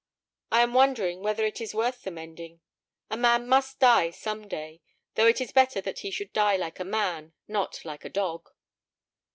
"I am wondering whether it is worth the mending. A man must die some day; though it is better that he should die like a man, not like a dog."